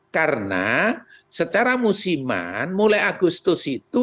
karena secara musiman mulai agustus itu